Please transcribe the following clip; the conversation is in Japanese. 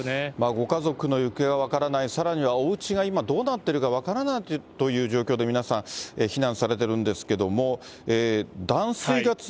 ご家族の行方が分からない、さらにはおうちが今どうなっているか分からないという状況で、皆さん、避難されているんですけれども。